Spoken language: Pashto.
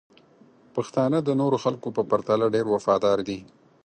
پښتانه د نورو خلکو په پرتله ډیر وفادار دي.